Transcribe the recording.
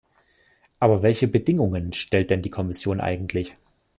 Aber welche Bedingungen stellt denn die Kommission eigentlich?